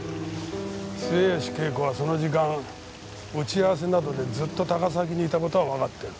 末吉恵子はその時間打ち合わせなどでずっと高崎にいた事はわかっている。